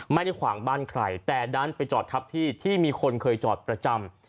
ไม่ได้ขวางบ้านใครแต่ดันไปจอดทับที่ที่มีคนเคยจอดประจำ